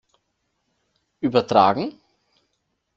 Übertragen?